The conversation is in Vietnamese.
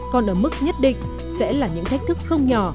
còn ở mức nhất định sẽ là những thách thức không nhỏ